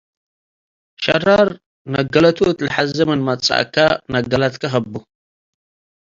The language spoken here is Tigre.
ሸራር ነገለቱ እት ለሐዜ ምን መጸአከ ነገለትከ ሀቡ።